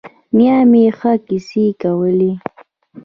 نیا مې ښه کیسې کولې.